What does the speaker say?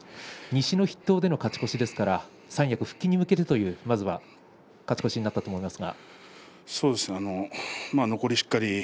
西の筆頭での勝ち越しですが三役復帰に向けてという勝ち越しになったと思いますが。